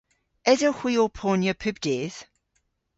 Esewgh hwi ow ponya pub dydh?